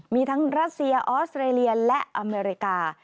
มีทั้งรัสเซียออสเตรเลียและอเมริกา